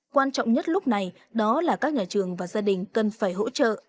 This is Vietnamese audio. quan trọng nhất lúc này đó là các nhà trường và gia đình cần phải hỗ trợ